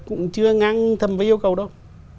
cũng chưa ngang thầm với yêu cầu đâu